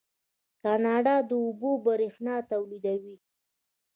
کاناډا د اوبو بریښنا تولیدوي.